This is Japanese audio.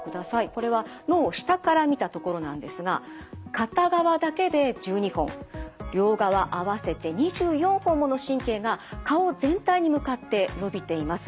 これは脳を下から見たところなんですが片側だけで１２本両側合わせて２４本もの神経が顔全体に向かってのびています。